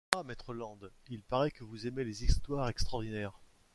Ah ! maître Land, il paraît que vous aimez les histoires extraordinaires !